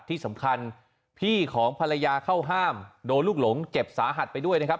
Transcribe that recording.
ที่สำคัญพี่ของภรรยาเข้าห้ามโดนลูกหลงเจ็บสาหัสไปด้วยนะครับ